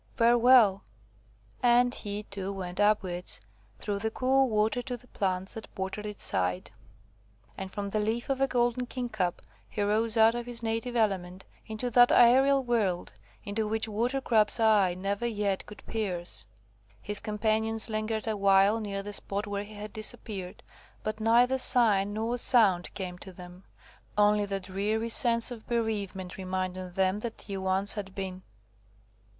Farewell!" And he too went upwards, through the cool water to the plants that bordered its side; and from the leaf of a golden king cup he rose out of his native element into that aërial world, into which water grub's eye never yet could pierce. His companions lingered awhile near the spot where he had disappeared, but neither sign nor sound came to them. Only the dreary sense of bereavement reminded them that he once had been.